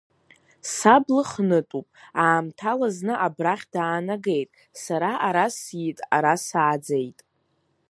Саб лыхнытәуп, аамҭала зны абрахь даанагеит, сара ара сиит, ара сааӡеит.